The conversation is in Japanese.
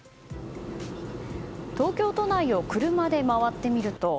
東京都内を車で回ってみると。